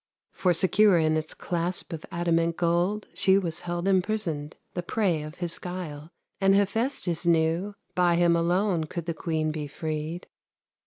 For secure in its clasp Of adamant gold She was held imprisoned, The prey of his guile; And Hephestus knew By him alone Could the queen be freed.